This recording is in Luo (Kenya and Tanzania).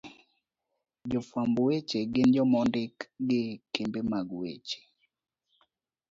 Jofwamb weche gin joma ondik gi kembe mag weche